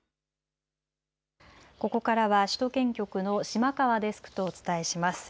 ここからは首都圏局の島川デスクとお伝えします。